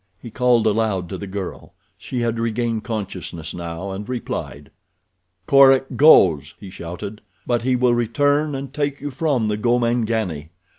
He called aloud to the girl. She had regained consciousness now and replied. "Korak goes," he shouted; "but he will return and take you from the Gomangani.